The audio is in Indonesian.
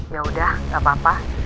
yaudah gak papa